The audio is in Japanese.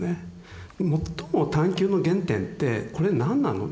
最も探究の原点ってこれ何なの？